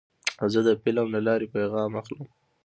زه د فلم له لارې پیغام اخلم.